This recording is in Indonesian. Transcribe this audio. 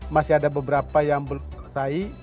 masih ada beberapa yang berkesai